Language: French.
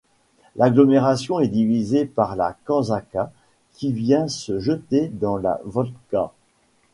L'agglomération est divisée par la Kazanka qui vient se jeter dans la Volga.